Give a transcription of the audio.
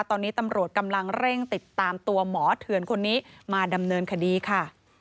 ตอนนี้ตำรวจกำลังเร่งติดตามตัวหมอเถื่อนคนนี้มาดำเนินคดีค่ะ